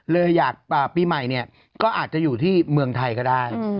เลยอยากปีใหม่เนี่ยก็อาจจะอยู่ที่เมืองไทยก็ได้